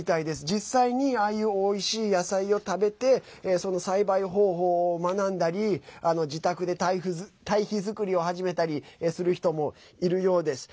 実際に、ああいうおいしい野菜を食べて栽培方法を学んだり自宅で堆肥作りを始めたりする人もいるようです。